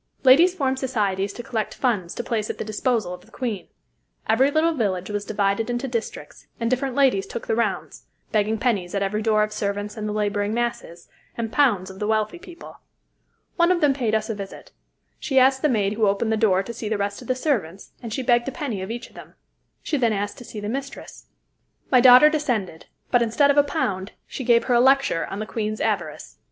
Ladies formed societies to collect funds to place at the disposal of the Queen. Every little village was divided into districts, and different ladies took the rounds, begging pennies at every door of servants and the laboring masses, and pounds of the wealthy people. One of them paid us a visit. She asked the maid who opened the door to see the rest of the servants, and she begged a penny of each of them. She then asked to see the mistress. My daughter descended; but, instead of a pound, she gave her a lecture on the Queen's avarice.